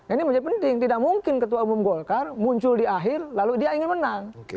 ini menjadi penting tidak mungkin ketua umum golkar muncul di akhir lalu dia ingin menang